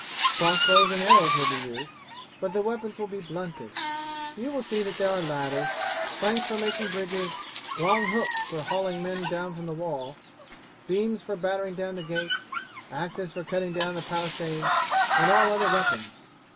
Crossbows and arrows will be used, but the weapons will be blunted. You will see that there are ladders, planks for making bridges, long hooks for hauling men down from the wall, beams for battering down the gate, axes for cutting down the palisades, and all other weapons.